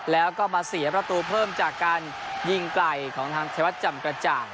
แล้วก็มาเสียประตูเพิ่มจากการยิงไกลของทางชายวัดจำกระจ่าง